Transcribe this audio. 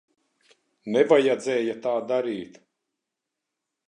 Nevajadzēja tā darīt.